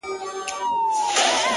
له زلمیو خوښي ورکه له مستیو دي لوېدلي!!